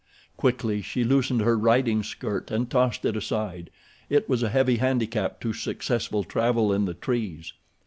Quickly she loosened her riding skirt and tossed it aside—it was a heavy handicap to successful travel in the trees.